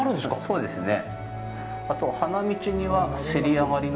そうですね。